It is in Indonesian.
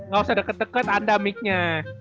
gak usah deket deket ada mic nya